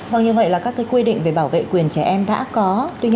vâng như vậy là các cái quy định về bảo vệ quyền trẻ em đã có